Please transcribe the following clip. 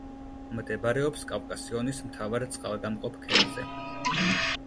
მდებარეობს კავკასიონის მთავარ წყალგამყოფ ქედზე.